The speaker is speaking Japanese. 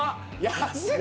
安っ！